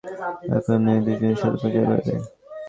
এখন এই দুইজনের সাথে পরিচয় করিয়ে দেই।